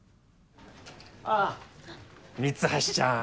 ああ三橋ちゃん。